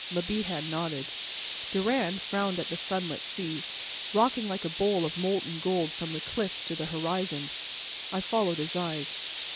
Le Bihan nodded. Durand frowned at the sunlit sea, rocking like a bowl of molten gold from the cliffs to the horizon. I followed his eyes.